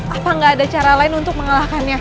apa nggak ada cara lain untuk mengalahkannya